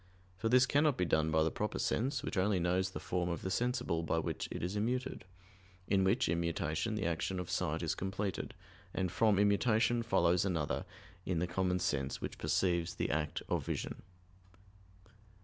For this cannot be done by the proper sense, which only knows the form of the sensible by which it is immuted, in which immutation the action of sight is completed, and from immutation follows another in the common sense which perceives the act of vision.